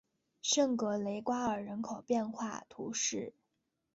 圣格雷瓜尔人口变化图示